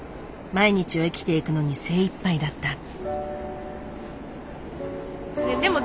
毎日を生きていくのに精いっぱいだった。